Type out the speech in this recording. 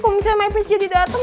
kalo misalnya my prince jadi dateng